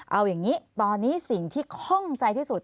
เอาอย่างนี้ตอนนี้สิ่งที่คล่องใจที่สุด